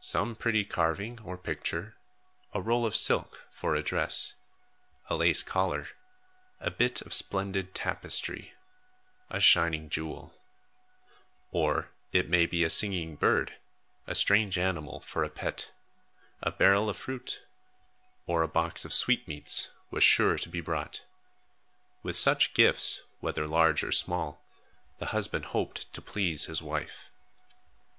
Some pretty carving or picture, a roll of silk for a dress, a lace collar, a bit of splendid tapestry, a shining jewel; or, it may be, a singing bird, a strange animal for a pet, a barrel of fruit, or a box of sweetmeats was sure to be brought. With such gifts, whether large or small, the husband hoped to please his wife.